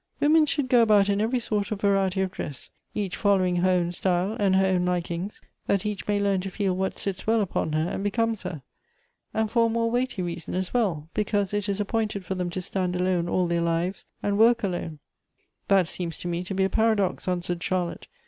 "Wo men should go about in every sort of variety of dress ; each following her own style and her own likings, that each may learn to feel what sits well upon her and becomes her. And for a more weighty reason as well — because it is appointed for them to stand alone all their lives, and work alone." " That seems to me to be a paradox," answered Char lotte.